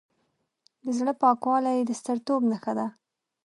د زړه پاکوالی د سترتوب نښه ده.